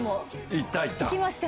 行った行った。